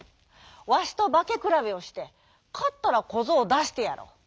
わしとばけくらべをしてかったらこぞうをだしてやろう」。